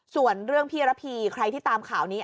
ส่วนเรื่องพี่ระพีใครที่ตามข่าวนี้